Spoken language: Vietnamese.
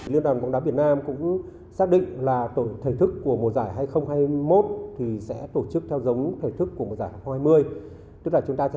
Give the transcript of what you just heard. liên đoàn bóng đá việt nam cũng xác định là thời thức của mùa giải hai nghìn hai mươi một sẽ tổ chức theo giống thời thức của mùa giải hai nghìn hai mươi